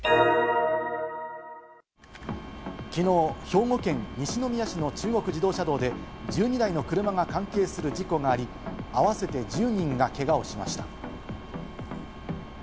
きのう兵庫県西宮市の中国自動車道で１２台の車が関係する事故があり、合わせて１０人がけがをしました。